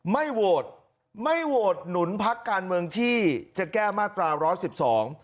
ไม่โหวตไม่โหวตหนุนพักการเมืองที่จะแก้มาตราร้อยสิบสอง